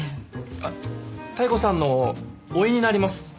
あっ妙子さんのおいになります西條です。